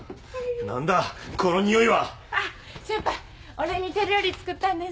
お礼に手料理作ったんです。